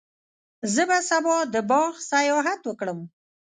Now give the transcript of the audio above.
زه به سبا د باغ سیاحت وکړم.